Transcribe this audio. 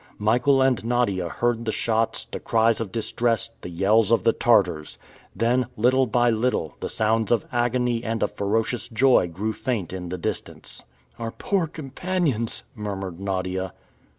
Michael and Nadia heard the shots, the cries of distress, the yells of the Tartars. Then, little by little, the sounds of agony and of ferocious joy grew faint in the distance. "Our poor companions!" murmured Nadia.